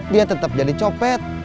dia tetep jadi copet